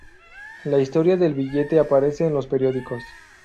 La historia del billete aparece en los periódicos.